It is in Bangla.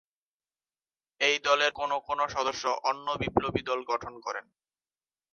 এই দলের কোনো কোনো সদস্য অন্য বিপ্লবী দল গঠন করেন।